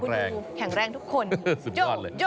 แข็งแรงทุกคน